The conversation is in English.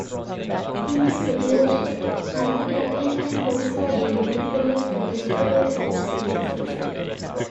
In this situation the hypercapnia can also be accompanied by respiratory acidosis.